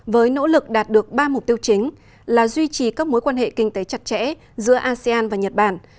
với nỗ lực đạt được ba mục tiêu chính là duy trì các mối quan hệ kinh tế chặt chẽ giữa asean và nhật bản